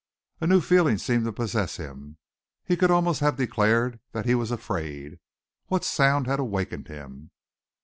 A new feeling seemed to possess him. He could almost have declared that he was afraid. What sound had awakened him?